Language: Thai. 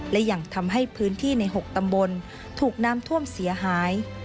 และยังทำให้พื้นที่ใน๖ตำบลถูกน้ำท่วมเสียหาย